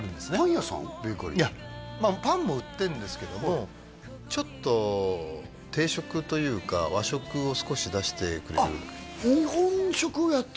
パンも売ってるんですけどもちょっと定食というか和食を少し出してくれるあっ